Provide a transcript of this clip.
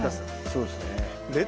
そうですね。